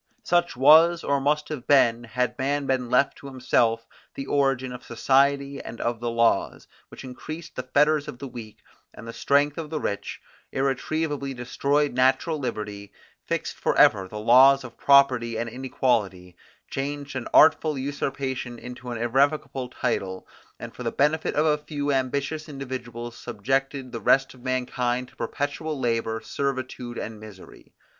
Such was, or must have been, had man been left to himself, the origin of society and of the laws, which increased the fetters of the weak, and the strength of the rich; irretrievably destroyed natural liberty, fixed for ever the laws of property and inequality; changed an artful usurpation into an irrevocable title; and for the benefit of a few ambitious individuals subjected the rest of mankind to perpetual labour, servitude, and misery.